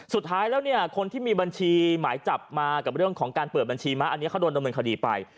สุดท้ายแล้วเนี่ยคนที่มีบัญชีหมายจับมากับเรื่องของการเปิดบัญชีม้าอันนี้เขาโดนดำเนินคดีไป